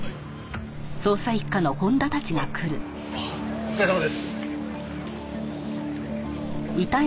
お疲れさまです。